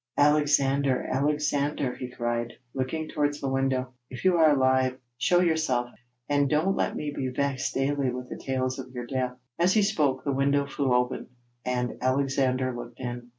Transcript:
Alexander! Alexander!' he cried, looking towards the window. 'If you are alive, show yourself, and don't let me be vexed daily with tales of your death.' As he spoke, the window flew open, and Alexander looked in.